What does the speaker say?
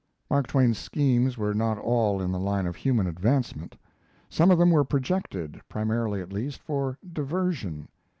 Mark Twain's schemes were not all in the line of human advancement; some of them were projected, primarily at least, for diversion.